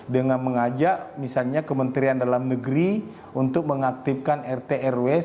dengan mengajak misalnya kementerian dalam negeri untuk mengaktifkan rtrw seperti fenomena yang terjadi di